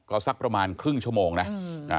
ก็สักประมาณครึ่งชั่วโมงนะ